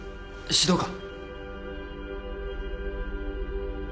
指導官。